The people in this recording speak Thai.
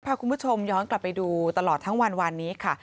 พาคุณผู้ชมย้อนกลับไปดูตลอดทั้งวันวานนี้ค่ะ